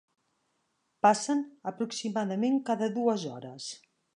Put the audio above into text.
Passen aproximadament cada dues hores.